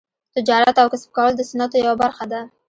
تجارت او کسب کول د سنتو یوه برخه ده.